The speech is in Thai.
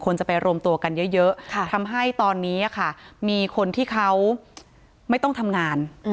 จะไปรวมตัวกันเยอะทำให้ตอนนี้มีคนที่เขาไม่ต้องทำงาน